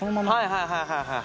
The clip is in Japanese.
はいはいはいはい。